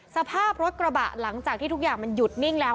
สภาพรถกระบะหลังจากที่ทุกอย่างมันหยุดนิ่งแล้ว